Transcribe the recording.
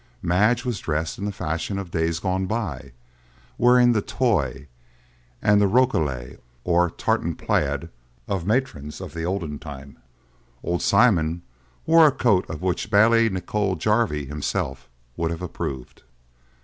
Madge was dressed in the fashion of days gone by, wearing the "toy" and the "rokelay," or Tartan plaid, of matrons of the olden time, old Simon wore a coat of which Bailie Nicol Jarvie himself would have approved.